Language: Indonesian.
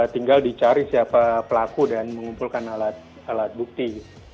tinggal dicari siapa pelaku dan mengumpulkan alat bukti